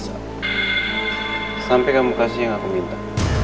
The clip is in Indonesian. bisa sampai kamu kasih yang aku minta